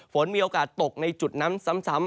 ฝนมีโอกาสตกในจุดนั้นซ้ำ